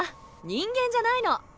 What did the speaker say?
人間じゃないの。